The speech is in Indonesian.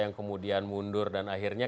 yang kemudian mundur dan akhirnya